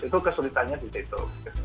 itu kesulitannya di situ